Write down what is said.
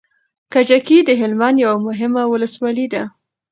کجکی د هلمند يوه مهمه ولسوالي ده